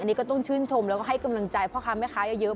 อันนี้ก็ต้องชื่นชมและให้กำลังใจเพราะคะเหมาะเยอะ